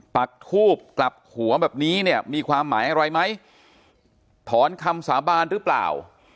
ปักทูบกลับหัวแบบนี้เนี่ยมีความหมายอะไรไหมถอนคำสาบานหรือเปล่า